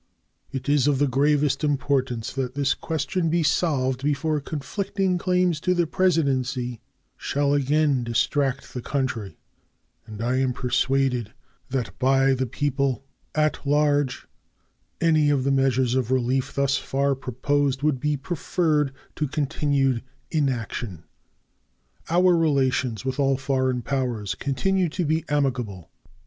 It is of the gravest importance that this question be solved before conflicting claims to the Presidency shall again distract the country, and I am persuaded that by the people at large any of the measures of relief thus far proposed would be preferred to continued inaction. Our relations with all foreign powers continue to be amicable.